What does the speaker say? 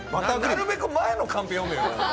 なるべく前のカンペ読めよ。